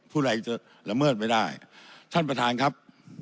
ผู้ใดจะละเมิดไปได้ท่านประธานครับ